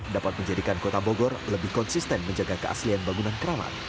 dapat menjadikan kota bogor lebih konsisten menjaga keaslian bangunan keramat